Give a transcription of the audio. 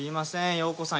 洋子さん